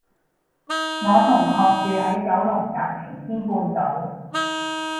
我同學住喺九龍站擎天半島